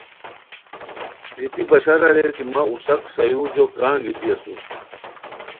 گیتی بشار اریر کی مہ اوساک سایورجو کا انگیتی اسور؟